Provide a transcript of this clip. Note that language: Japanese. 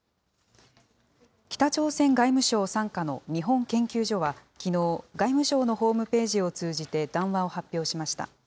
北朝鮮外務省傘下の日本研究所はきのう、外務省のホームページを通じて談話を発表しました。